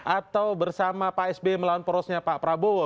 atau bersama pak sby melawan porosnya pak prabowo